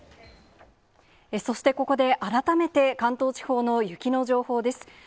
そしてここで改めて関東地方の雪の情報です。